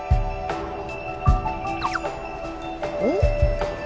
おっ！